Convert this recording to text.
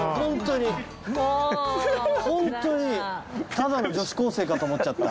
ただの女子高生かと思っちゃった。